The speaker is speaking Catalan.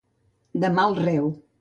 De mal reu.